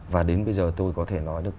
và đến bây giờ tôi có thể nói được